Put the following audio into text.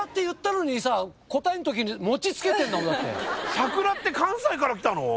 桜って関西からきたの？